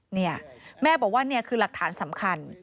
เนี่ยแม่บอกว่านี่คือหลักฐานสำคัญ